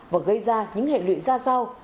và gây ra những hệ lụy ra sao